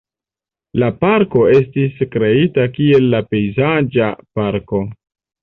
La parko estis kreita kiel pejzaĝa parko.